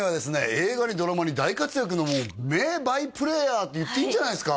映画にドラマに大活躍の名バイプレイヤーって言っていいんじゃないですか？